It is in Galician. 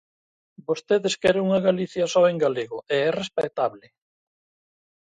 Vostedes queren unha Galicia só en galego, e é respectable.